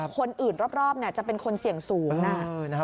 คนอื่นรอบจะเป็นคนเสี่ยงสูง